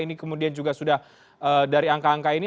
ini kemudian juga sudah dari angka angka ini